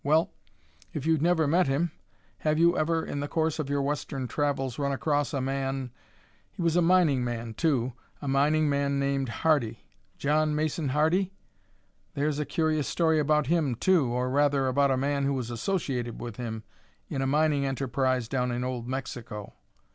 Well, if you've never met him, have you ever, in the course of your Western travels, run across a man he was a mining man, too a mining man named Hardy John Mason Hardy? There's a curious story about him, too, or, rather, about a man who was associated with him in a mining enterprise down in old Mexico.